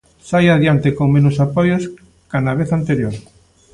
Sae adiante con menos apoios ca na vez anterior.